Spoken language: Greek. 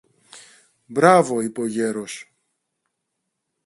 Μπράβο, είπε ο γέρος.